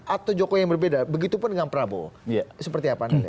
atau jokowi yang berbeda begitupun dengan prabowo seperti apa